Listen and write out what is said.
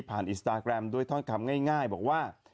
อินสตาแกรมด้วยท่อนคำง่ายบอกว่า